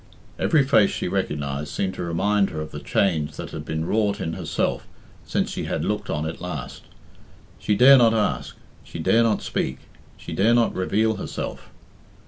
Every face she recognised seemed to remind her of the change that had been wrought in herself since she had looked on it last. She dare not ask; she dare not speak; she dare not reveal herself.